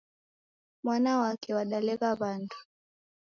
Mwana wake wadalegha w'andu